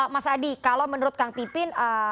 mas adi kalau menurut kang pipin